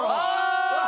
あ！